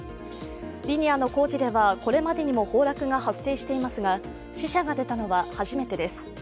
リニアの工事ではこれまでにも崩落が発生していますが死者が出たのは初めてです。